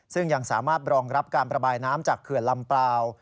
ซึ่งยังสามารถรองรับการประบายน้ำจากเขื่อนลำเปล่า